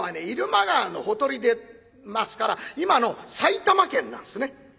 入間川のほとりでますから今の埼玉県なんですね。